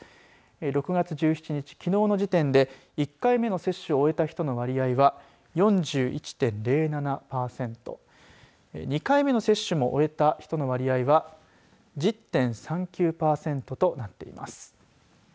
６月１７日、きのうの時点で１回目の接種を終えた人の割合は４１．０７パーセント２回目の接種も終えた人の割合は１０．３９パーセントとなっています。